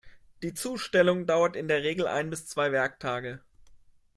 Die Zustellung dauert in der Regel ein bis zwei Werktage.